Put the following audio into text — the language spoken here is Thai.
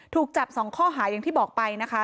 ถูกจับ๒ข้อหาอย่างที่บอกไปนะคะ